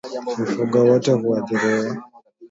Mifugo wote huathiriwa